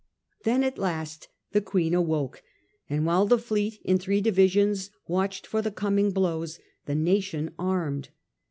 Then at last the Queen awoke, and while the fleet in three divisions watched for the coming blows, the nation armed.